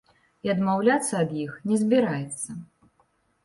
І адмаўляцца ад іх не збіраецца.